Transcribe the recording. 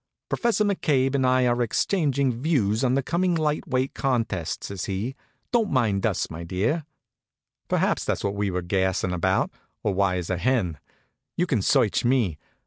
"Professor McCabe and I are exchanging views on the coming light weight contest," says he. "Don't mind us, my dear." Perhaps that's what we were gassin' about, or why is a hen. You can search me.